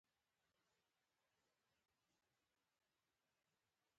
موږ د غرمې لپاره رسټورانټ ته ننوتلو.